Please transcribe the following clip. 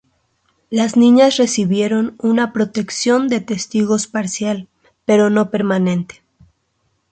Las niñas recibieron una protección de testigos parcial, pero no permanente.